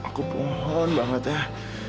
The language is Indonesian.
aku mohon banget ya